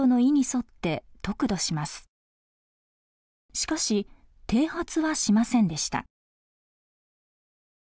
しかし剃髪はしませんでした。